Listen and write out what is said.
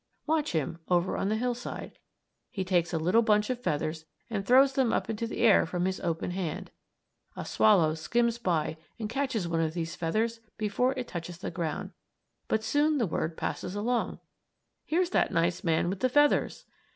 Watch him, over on the hillside. He takes a little bunch of feathers and throws them up into the air from his open hand. A swallow skims by and catches one of these feathers before it touches the ground. But soon the word passes along: "Here's that nice man with the feathers!"